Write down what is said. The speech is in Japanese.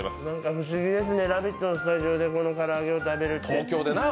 不思議ですね、「ラヴィット！」のスタジオでこのから揚げを食べるって。